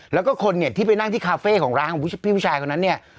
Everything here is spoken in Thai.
แล้วก็คนเนี่ยที่ไปนั่งที่คาเฟ่ของร้านของพี่ผู้ชายคนนั้นเนี่ย